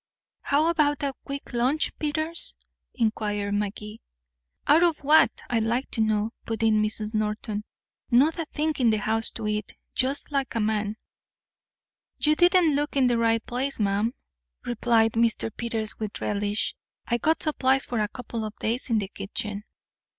"How about a quick lunch, Peters?" inquired Magee. "Out of what, I'd like to know," put in Mrs. Norton. "Not a thing in the house to eat. Just like a man." "You didn't look in the right place, ma'am," replied Mr. Peters with relish. "I got supplies for a couple of days in the kitchen."